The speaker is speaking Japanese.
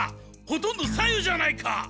ほとんど白湯じゃないか！